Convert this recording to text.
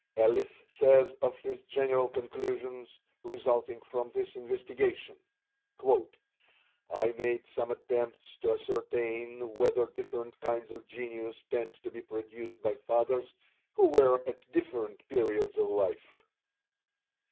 Ellis says of his general conclusions resulting from this investigation: "I made some attempts to ascertain whether different kinds of genius tend to be produced by fathers who were at different periods of life.